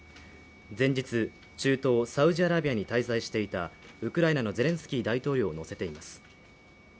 前日、中東・サウジアラビアに滞在していたウクライナのゼレンスキー大統領を乗せています。